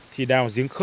thì đào giếng khóa